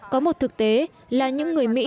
có một thực tế là những người mỹ